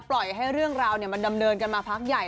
ปล่อยให้เรื่องราวมันดำเนินกันมาพักใหญ่